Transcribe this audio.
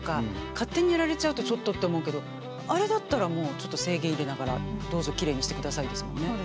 勝手にやられちゃうと「ちょっと」って思うけどあれだったら制限入れながらどうぞきれいにしてくださいですもんね。